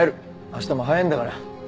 明日も早いんだから。